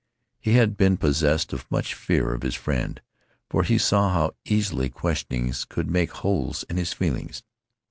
He had been possessed of much fear of his friend, for he saw how easily questionings could make holes in his feelings.